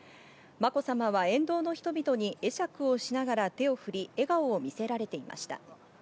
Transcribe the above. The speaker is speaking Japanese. まこさまは沿道の人々に会釈をしながら手を振り、笑顔を見せられていました。